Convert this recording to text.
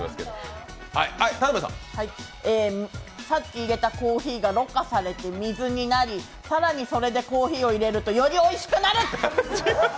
さっきいれたコーヒーがろ過されて水になり、更にそれでコーヒーをいれると、よりおいしくなる！